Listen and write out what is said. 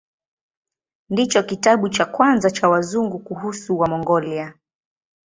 Ndicho kitabu cha kwanza cha Wazungu kuhusu Wamongolia.